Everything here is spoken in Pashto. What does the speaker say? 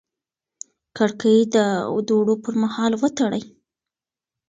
کړکۍ د دوړو پر مهال وتړئ.